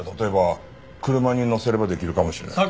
例えば車に載せればできるかもしれない。